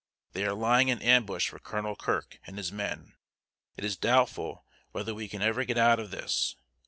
They are lying in ambush for Colonel Kirk and his men. It is doubtful whether we can ever get out of this.